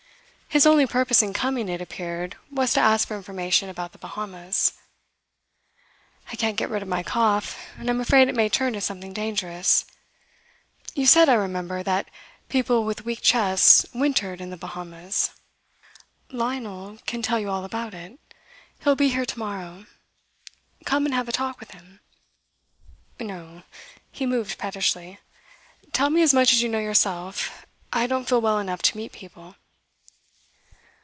His only purpose in coming, it appeared, was to ask for information about the Bahamas. 'I can't get rid of my cough, and I'm afraid it may turn to something dangerous. You said, I remember, that people with weak chests wintered in the Bahamas.' 'Lionel can tell you all about it. He'll be here to morrow. Come and have a talk with him.' 'No.' He moved pettishly. 'Tell me as much as you know yourself. I don't feel well enough to meet people.